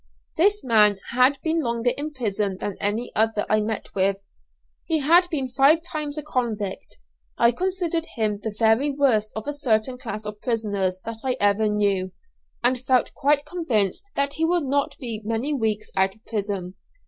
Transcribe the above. This man had been longer in prison than any other I met with. He had been five times a convict. I considered him the very worst of a certain class of prisoners that I ever knew, and feel quite convinced that he will not be many weeks out of prison.